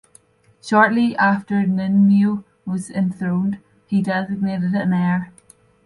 Shortly after Ninmyo was enthroned, he designated an heir.